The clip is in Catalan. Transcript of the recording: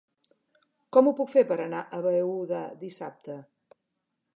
Com ho puc fer per anar a Beuda dissabte?